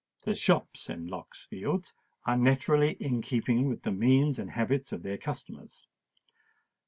The shops in Lock's Fields are naturally in keeping with the means and habits of their customers.